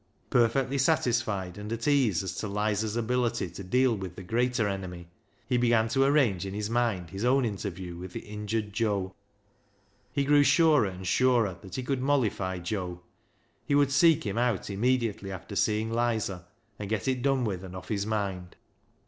Perfectly satisfied and at ease as to Lizer's ability to deal with the greater enemy, he began to arrange in his mind his own interview with the injured Joe. He ISAAC'S FIDDLE 297 grew surer and surer that he could mollify Joe. He would seek him out immediately after seeing Lizer, and get it done with and off his mind.